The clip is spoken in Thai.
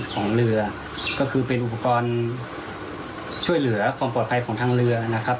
ของเรือก็คือเป็นอุปกรณ์ช่วยเหลือความปลอดภัยของทางเรือนะครับ